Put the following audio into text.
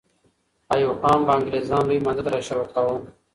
ایوب خان به انګریزان لوی مانده ته را سوه کاوه.